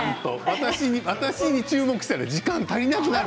私に注目したら時間足りなくなる。